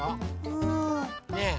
うん。ねえ？